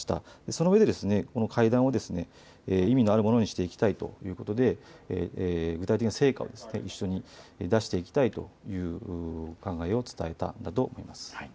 そのうえで、この会談は意味のあるものにしていきたいということで具体的な成果、一緒に出していきたいという考えを伝えたんだと思います。